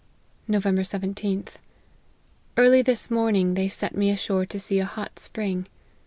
" Nov. Vlth. Early this morning they set me ashore to see a hot spring.